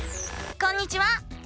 こんにちは！